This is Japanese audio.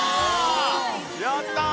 やった！